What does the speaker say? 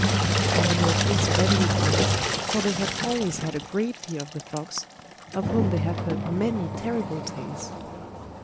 And the little pigs readily promised, for they had always had a great fear of the fox, of whom they had heard many terrible tales.